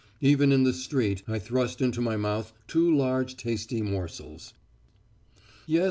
Even in the street I thrust into my mouth two large tasty morsels. "Yes.